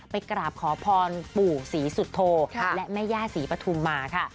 ไปกราบขอพรปู่ศรีสุโธและแม่ย่าศรีปฐุมมาค่ะ